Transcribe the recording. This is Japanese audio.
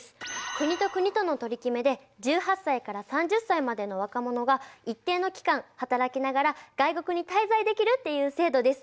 国と国との取り決めで１８歳から３０歳までの若者が一定の期間働きながら外国に滞在できるっていう制度です。